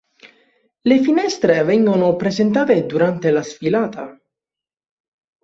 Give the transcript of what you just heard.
Le finestre vengono presentate durante la sfilata.